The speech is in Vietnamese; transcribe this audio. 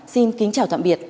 xin kính chào tạm biệt